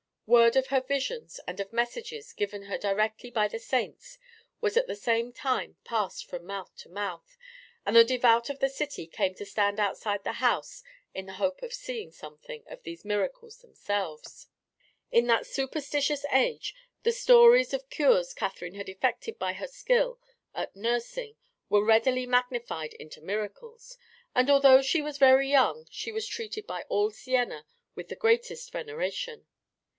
Word of her visions and of messages given her directly by the saints was at the same time passed from mouth to mouth, and the devout of the city came to stand outside the house in the hope of seeing something of these miracles themselves. In that superstitious age the stories of cures Catherine had effected by her skill at nursing were readily magnified into miracles, and although she was very young she was treated by all Siena with the greatest veneration.